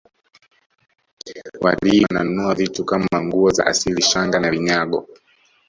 watalii wananunua vitu Kama nguo za asili shanga na vinyago